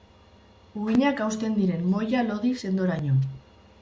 Uhinak hausten diren moila lodi sendoraino.